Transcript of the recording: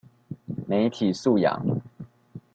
媒體素養